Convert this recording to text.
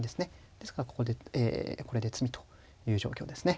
ですからこれで詰みという状況ですね。